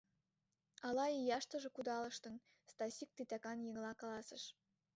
Ала ияштыже кудалыштын, — Стасик титакан еҥла каласыш.